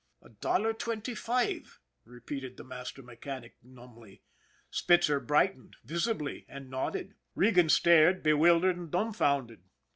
" A dollar twenty five/' repeated the master me chanic numbly. Spitzer brightened visibly, and nodded. Regan stared, bewildered and dumfounded.